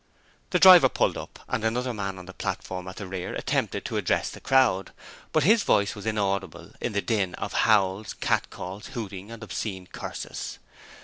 The driver pulled up, and another man on the platform at the rear attempted to address the crowd, but his voice was inaudible in the din of howls, catcalls, hooting and obscene curses.